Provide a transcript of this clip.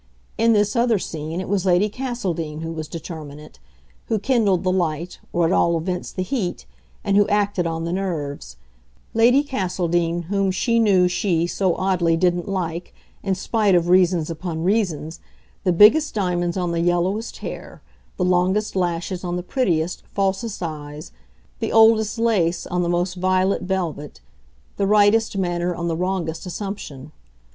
In this other scene it was Lady Castledean who was determinant, who kindled the light, or at all events the heat, and who acted on the nerves; Lady Castledean whom she knew she, so oddly, didn't like, in spite of reasons upon reasons, the biggest diamonds on the yellowest hair, the longest lashes on the prettiest, falsest eyes, the oldest lace on the most violet velvet, the rightest manner on the wrongest assumption.